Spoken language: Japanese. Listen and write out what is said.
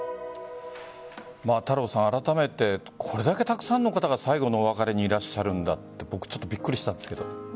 太郎さん、あらためてこれだけたくさんの方が最期のお別れにいらっしゃるんだと僕、びっくりしたんですけど。